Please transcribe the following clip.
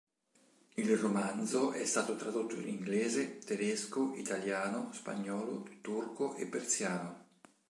Il romanzo è stato tradotto in inglese, tedesco, italiano, spagnolo, turco e persiano.